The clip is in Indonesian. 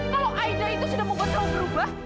kalo aida itu sudah membuat kamu berubah